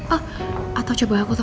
ah atau coba aku panggil dia